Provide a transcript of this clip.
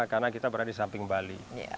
karena kita berada di samping bali